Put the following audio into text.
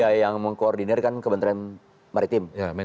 ya yang mengkoordinirkan kementerian maritim